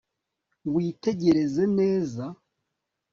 witegereze neza